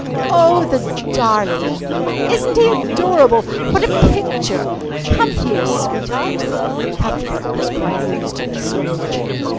"Oh, the darling!" "Isn't he adorable?" "What a picture!" "Come here, sweetheart." Cuthbert was quite used to this sort of thing.